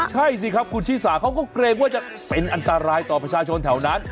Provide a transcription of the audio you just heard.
ใช่สิครับคุณชิสาเขาก็เกรงว่าจะเป็นอันตรายต่อประชาชนแถวนั้น